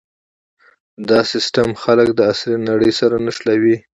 دا سیستم خلک د عصري نړۍ سره نښلوي.